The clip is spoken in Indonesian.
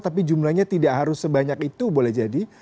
tapi jumlahnya tidak harus sebanyak itu boleh jadi